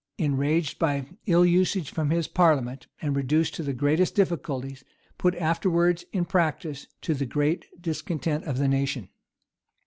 enraged by ill usage from his parliament, and reduced to the greatest difficulties, put afterwards in practice, to the great discontent of the nation.